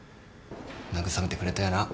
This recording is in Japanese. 慰めてくれたよな。